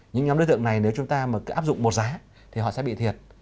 những nhóm đối tượng này nếu chúng ta mà cứ áp dụng một giá thì họ sẽ bị thiệt